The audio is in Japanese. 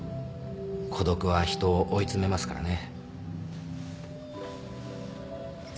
孤独は人を追い詰めますからね。